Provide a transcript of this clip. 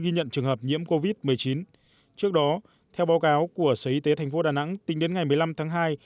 ghi nhận trường hợp nhiễm covid một mươi chín trước đó theo báo cáo của sở y tế tp đà nẵng tính đến ngày một mươi năm tháng hai